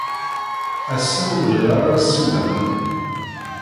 Ass-a, ur bɣiɣ ara ad ssiwleɣ yid-k.